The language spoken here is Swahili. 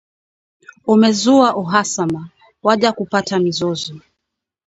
Umezua uhasama, waja kupata mizozo